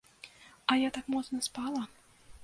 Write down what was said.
А я так моцна спала.